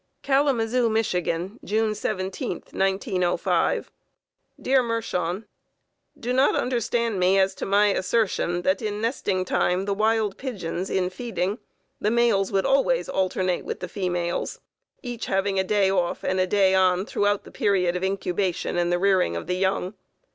Kalamazoo, Mich., June 17th, 1905. Dear Mershon: Do not understand me as to my assertion, that in nesting time the wild pigeons in feeding, the males always alternate with the females, each having a day off and a day on throughout the period of incubation and the rearing of the young.